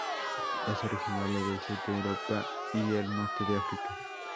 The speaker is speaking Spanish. Es originaria del Sur de Europa y el Norte de África.